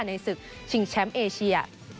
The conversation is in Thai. ในศึกชิงแชมป์เอเชีย